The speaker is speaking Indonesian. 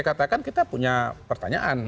katakan kita punya pertanyaan